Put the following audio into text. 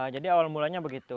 jadi awal mulanya begitu